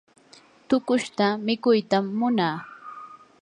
tuqushta mikuytam munaa.